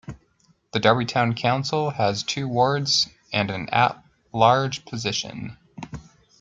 The Darby Town Council has two wards and an at-large position.